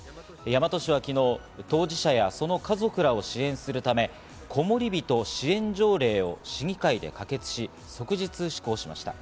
大和市は昨日、当事者や、その家族らを支援するため、こもりびと支援条例を市議会で可決し、即日施行しました。